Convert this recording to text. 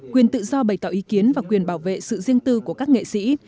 quyền tự do bày tỏ ý kiến và quyền bảo vệ sự riêng tư của các nghệ sĩ